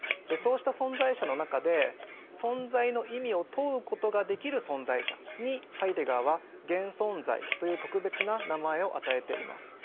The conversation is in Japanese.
そうした存在者の中で存在の意味を問うことができる存在者にハイデガーは「現存在」という特別な名前を与えています。